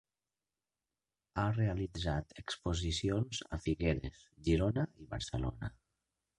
Ha realitzat exposicions a Figueres, Girona i Barcelona.